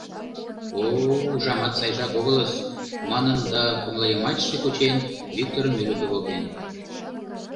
О-о, ужамат, сайжак огылыс, — манын да коҥлайымачше кучен, Викторым ӱлыкӧ волтен.